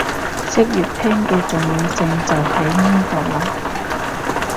識粵拼嘅重要性就喺呢度喇